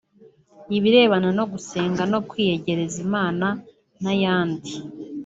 ibirebana no gusenga no kwiyegereza Imana n’ayandi